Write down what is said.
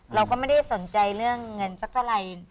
เราก็ไม่ได้สนใจเรื่องเงินสักเท่าไหร่